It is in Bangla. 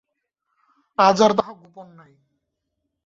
আজ আর তাহা গোপন নাই।